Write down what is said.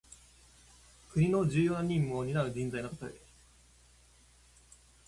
国の重要な任務をになう人材のたとえ。